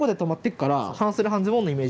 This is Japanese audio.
半袖半ズボンのイメージ。